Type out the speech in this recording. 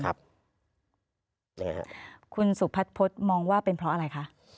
คุณสุพัฒนพฤษมองว่าเป็นเพราะอะไรคะ